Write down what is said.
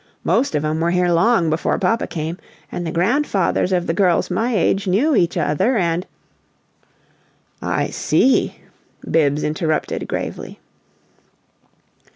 Most of 'em were here long before papa came, and the grandfathers of the girls of my age knew each other, and " "I see," Bibbs interrupted, gravely.